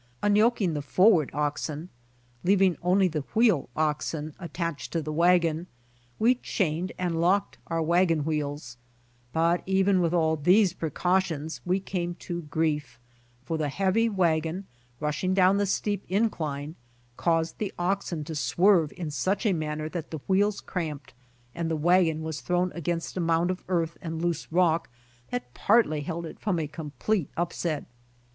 Unyoking the forward oxen, leaving only the Avheel oxen attached to the wagon, we chained and locked our wagon wheels, but even with all these precautions we came to grief, for the heavy wagon rushing down the steep incline, caused the oxen to swerve in such a manner that the wheels cramped and the wagon was thrown against a mound of earth and loose rock that partly held it from a complete upset.